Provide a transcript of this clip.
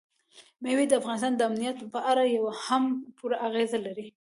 مېوې د افغانستان د امنیت په اړه هم پوره اغېز لري.